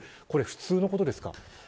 これは普通のことですか。